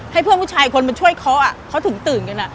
ให้เพื่อนผู้ชายคนมาช่วยเคาะเขาเขาถึงตื่นกัน